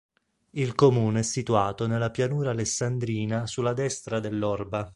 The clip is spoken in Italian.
Il comune è situato nella pianura alessandrina sulla destra dell'Orba.